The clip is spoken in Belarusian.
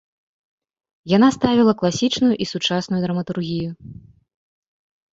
Яна ставіла класічную і сучасную драматургію.